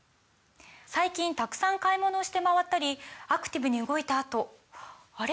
最近たくさん買い物をして回ったりアクティブに動いたあとあれ？